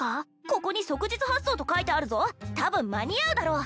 ここに即日発送と書いてあるぞ多分間に合うだろう